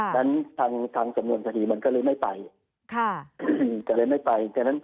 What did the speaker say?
ฉะนั้นทางสำนวนสถีมันก็เลยไม่ไป